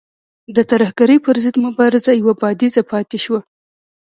د ترهګرۍ پر ضد مبارزه یو بعدیزه پاتې شوه.